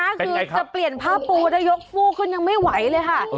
คือจะเปลี่ยนผ้าปูแล้วยกฟู้ขึ้นยังไม่ไหวเลยค่ะ